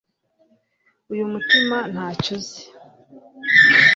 Uyu mutima ntacyo uzi